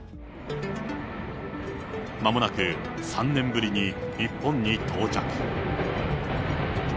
まもなく３年ぶりに日本に到着。